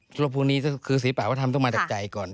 ทุกวันพรุ่งนี้คือศิริปะวัฒนธรรมต้องมาจากใจก่อน